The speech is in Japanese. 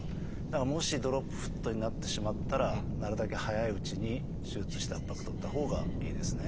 だからもしドロップフットになってしまったらなるだけ早いうちに手術して圧迫取ったほうがいいですね。